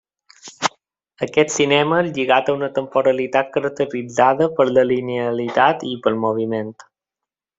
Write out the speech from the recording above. Aquest cinema és lligat a una temporalitat caracteritzada per la linealitat i pel moviment.